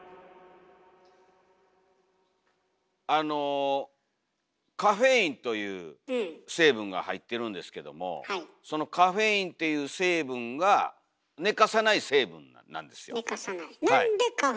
あのカフェインという成分が入ってるんですけどもそのカフェインっていう成分が寝かさない。